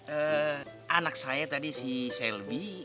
eh anak saya tadi si selbi